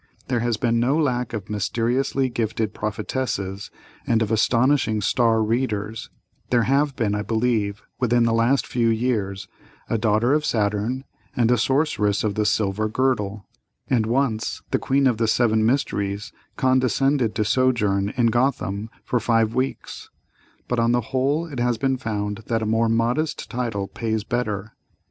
There has been no lack of "mysteriously gifted prophetesses," and of "astonishing star readers;" there have been, I believe, within the last few years, a "Daughter of Saturn," and a "Sorceress of the Silver Girdle;" and once the "Queen of the Seven Mysteries" condescended to sojourn in Gotham for five weeks, but on the whole it has been found that a more modest title pays better.